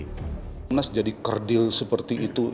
komnas jadi kerdil seperti itu